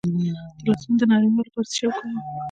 د لاسونو د نرموالي لپاره څه شی وکاروم؟